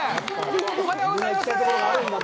おはようございます。